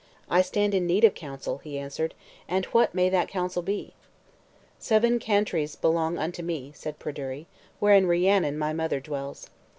"I stand in need of counsel," he answered, "and what may that counsel be?" "Seven cantrevs belong unto me," said Pryderi, "wherein Rhiannon, my mother, dwells.